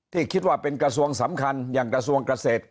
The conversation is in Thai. คิดว่าเป็นกระทรวงสำคัญอย่างกระทรวงเกษตร